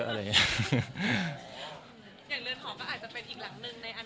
อย่างเรือนหอก็อาจจะเป็นอีกหลังหนึ่งในอัน